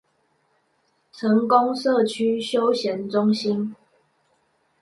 成功社區休閒中心